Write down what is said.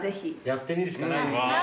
やってみるしかないですね。